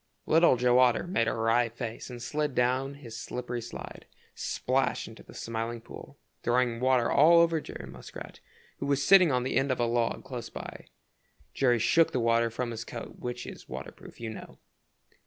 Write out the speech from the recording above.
Little Joe Otter made a wry face and slid down his slippery slide, splash into the Smiling Pool, throwing water all over Jerry Muskrat, who was sitting on the end of a log close by. Jerry shook the water from his coat, which is water proof, you know.